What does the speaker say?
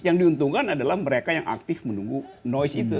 yang diuntungkan adalah mereka yang aktif menunggu noise itu